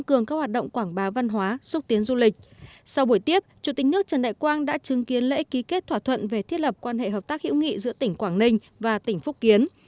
trần đại quang đã chứng kiến lễ ký kết thỏa thuận về thiết lập quan hệ hợp tác hữu nghị giữa tỉnh quảng ninh và tỉnh phúc kiến